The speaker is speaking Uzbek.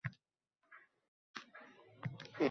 Bu odat – hozir bajar degan odat.